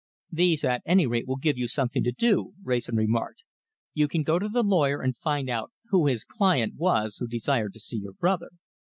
"These, at any rate, will give you something to do," Wrayson remarked. "You can go to the lawyer and find out who his client was who desired to see your brother.